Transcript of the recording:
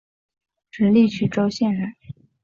直隶曲周县人。